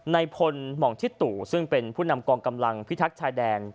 ในพลหม่องทิศตู่ซึ่งเป็นผู้นำกองกำลังพิทักษ์ชายแดน